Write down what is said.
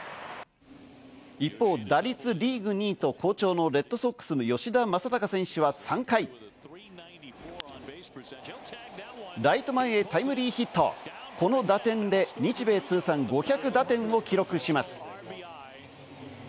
一方、打率リーグ２位と好調のレッドソックスの吉田正尚選手は３回、ライト前へタイムリーヒット、この打点で日米通算５００打点を記録します。